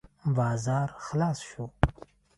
بازار خلاص شو.